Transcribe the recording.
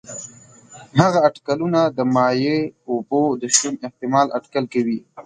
هغه اټکلونه د مایع اوبو د شتون احتمال اټکل کوي.